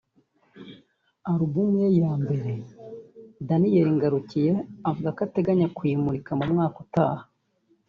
Album ye ya mbere Daniel Ngarukiye avuga ko ateganya kuyimurika mu mwaka utaha